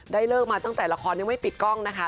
เลิกมาตั้งแต่ละครยังไม่ปิดกล้องนะคะ